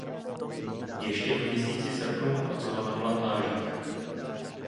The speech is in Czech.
Ještě v měsíci srpnu pracoval na plantážích.